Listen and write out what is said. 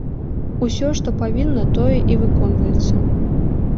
Усё, што павінна, тое і выконваецца.